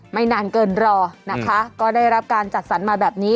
ไม่นานเกินรอนะคะก็ได้รับการจัดสรรมาแบบนี้